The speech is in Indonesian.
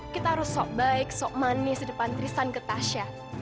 kita harus sok baik sok manis di depan trisan ke tasya